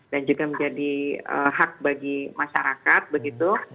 dan juga menjadi hak bagi masyarakat